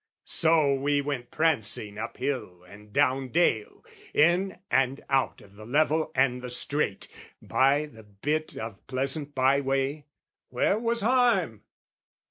So we went prancing up hill and down dale, In and out of the level and the straight, By the bit of pleasant byeway, where was harm?